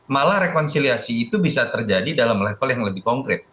malah rekonsiliasi itu bisa terjadi dalam level yang lebih konkret